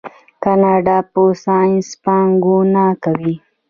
کاناډا په ساینس پانګونه کوي.